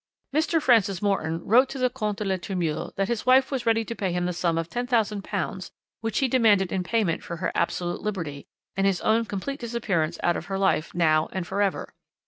Mr. Francis Morton wrote to the Comte de la Tremouille that his wife was ready to pay him the sum of £10,000 which he demanded in payment for her absolute liberty and his own complete disappearance out of her life now and for ever.